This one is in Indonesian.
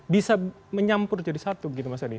bisa menyampur jadi satu gitu mas sandi